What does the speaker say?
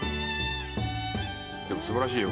でも素晴らしいよ